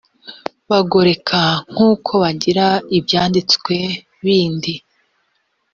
bagoreka nk uko bagira ibyanditswe bindi